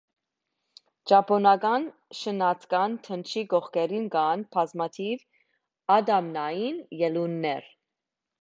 Ճապոնական շնաձկան դնչի կողքերին կան բազմաթիվ ատամնային ելուններ։